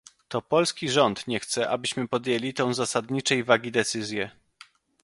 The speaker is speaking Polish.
To polski rząd nie chce, abyśmy podjęli tą zasadniczej wagi decyzję